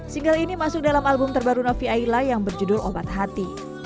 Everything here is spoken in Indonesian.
single ini masuk dalam album terbaru novi aila yang berjudul obat hati